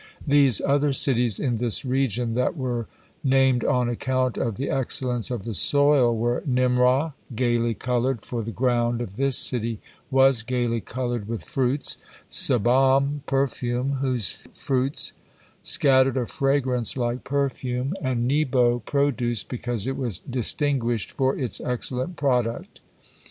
These other cities in this region that were names on account of the excellence of the soil were: Nimrah, "gaily colored," for the ground of this city was gaily colored with fruits; Sebam, "perfume," whose fruits scattered a fragrance like perfume; and Nebo, "produce," because it was distinguished for its excellent product.